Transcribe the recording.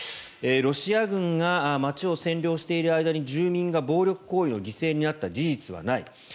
ロシア軍が街を占領している間に住民が暴力行為の犠牲になった事実はない